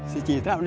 si cik fitra sugar